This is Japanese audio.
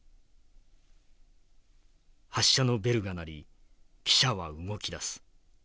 発車のベルが鳴り汽車は動き出す。